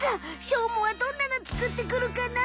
しょうまはどんなのつくってくるかな？